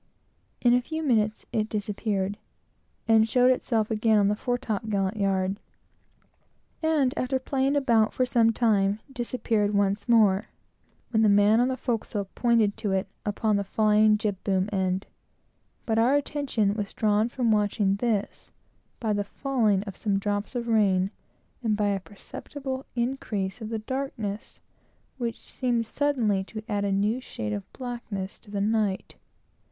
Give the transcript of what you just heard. In a few minutes it disappeared, and showed itself again on the fore top gallant yard; and after playing about for some time, disappeared again; when the man on the forecastle pointed to it upon the flying jib boom end. But our attention was drawn from watching this, by the falling of some drops of rain and by a perceptible increase of the darkness, which seemed suddenly to add a new shade of blackness to the night.